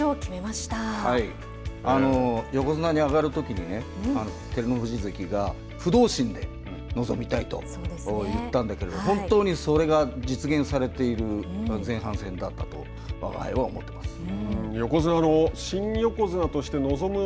横綱に上がるときに照ノ富士関が不動心で臨みたいと言ったんだけれど本当にそれが実現されている前半戦だったとわがはいは思って横綱の、新横綱として臨む